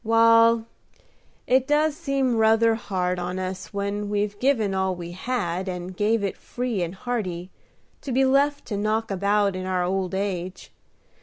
"Wal, it does seem ruther hard on us when we've give all we had, and give it free and hearty, to be left to knock about in our old age.